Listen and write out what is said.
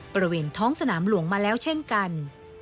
บริเวณท้องสนามหลวงมาแล้วเช่นกัน